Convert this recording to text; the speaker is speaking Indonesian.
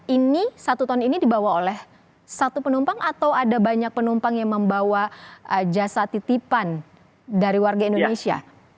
ini satu ton ini dibawa oleh satu penumpang atau ada banyak penumpang yang membawa jasa titipan dari warga indonesia